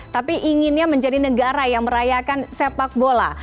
tapi inginnya menjadi negara yang merayakan sepak bola